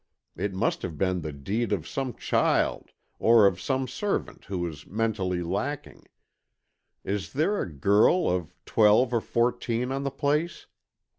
It must have been the deed of some child or of some servant who is mentally lacking. Is there a girl of twelve or fourteen on the place?